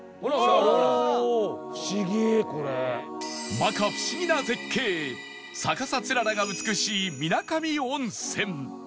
摩訶不思議な絶景逆さつららが美しい水上温泉